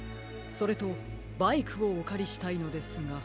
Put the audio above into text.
それとバイクをおかりしたいのですが。